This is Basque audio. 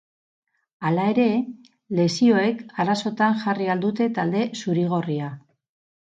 Hala ere, lesioek arazotan jarri ahal dute talde zurigorria.